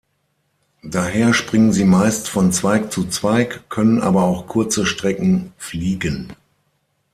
Daher springen sie meist von Zweig zu Zweig, können aber auch kurze Strecken fliegen.